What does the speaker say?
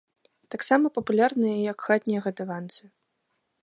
Таксама папулярныя і як хатнія гадаванцы.